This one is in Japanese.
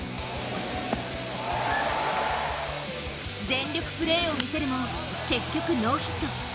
全力プレーを見せるも結局、ノーヒット。